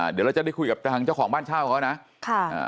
เดี๋ยวเราจะได้คุยกับทางเจ้าของบ้านเช่าเขานะค่ะอ่า